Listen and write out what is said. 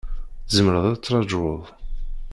Tzemreḍ ad trajuḍ.